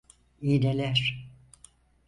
İğneler.